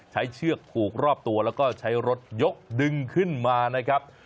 เชือกผูกรอบตัวแล้วก็ใช้รถยกดึงขึ้นมานะครับ